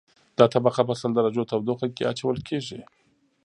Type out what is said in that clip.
دا طبقه په سل درجو تودوخه کې اچول کیږي